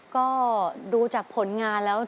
ก็ดูจากผลงานแล้ว